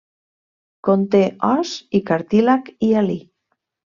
Conté os i cartílag hialí.